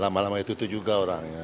iya lama lama itu juga orangnya